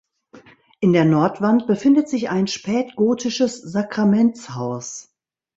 In der Nordwand befindet sich ein spätgotisches Sakramentshaus.